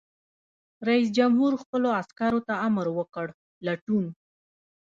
رئیس جمهور خپلو عسکرو ته امر وکړ؛ لټون!